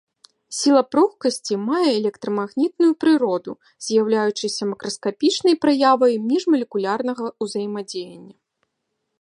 Сіла пругкасці мае электрамагнітную прыроду, з'яўляючыся макраскапічнай праявай міжмалекулярнага ўзаемадзеяння.